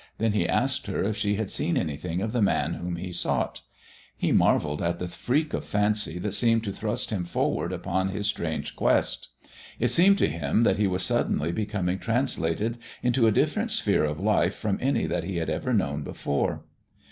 Then he asked her if she had seen anything of the Man whom he sought. He marvelled at the freak of fancy that seemed to thrust him forward upon his strange quest. It seemed to him that he was suddenly becoming translated into a different sphere of life from any that he had ever known before.